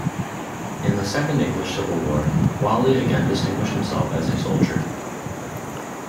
In the Second English Civil War, Whalley again distinguished himself as a soldier.